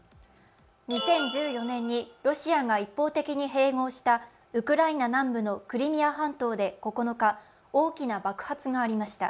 ２０１４年にロシアが一方的に併合したウクライナ南部のクリミア半島で９日、大きな爆発がありました。